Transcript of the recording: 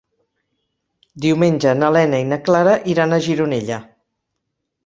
Diumenge na Lena i na Clara iran a Gironella.